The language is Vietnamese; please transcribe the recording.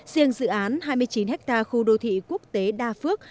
riêng dự án hai mươi chín ha khu đô thị quốc tế đa phước